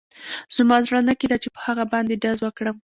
زما زړه نه کېده چې په هغه باندې ډز وکړم